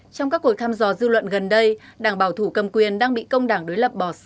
trong các cuộc thăm dò dư luận gần đây đảng bảo thủ cầm quyền đang bị công đảng đối lập bỏ xa về tỷ lệ ủng hộ